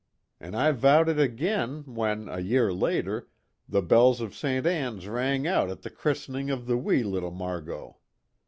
An' I vowed it again when, a year later, the bells of Ste. Anne's rang out at the christening of the wee little Margot.